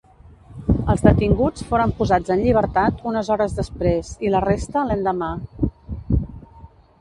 Els detinguts foren posats en llibertat, unes hores després i la resta l'endemà.